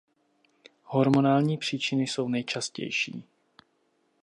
Hormonální příčiny jsou nejčastější.